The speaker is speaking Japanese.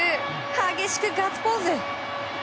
激しくガッツポーズ！